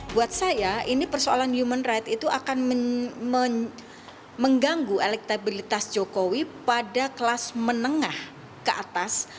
buat saya ini persoalan human right itu akan mengganggu elektabilitas jokowi pada kelas menengah ke atas